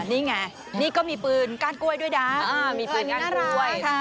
นี่ไงนี่ก็มีปืนกาดกล้วยด้วยด้ามีปืนกาดกล้วยน่ารักค่ะ